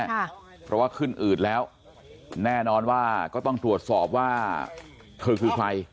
เพราะว่าขึ้นอืดแล้วแน่นอนว่าก็ต้องตรวจสอบว่าเธอคือใคร